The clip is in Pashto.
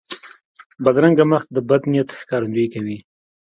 بدرنګه مخ د بد نیت ښکارندویي کوي